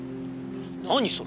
何それ？